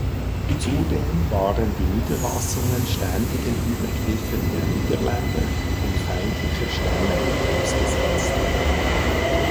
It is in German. Zudem waren die Niederlassungen ständigen Übergriffen der Niederländer und feindlicher Stämme ausgesetzt.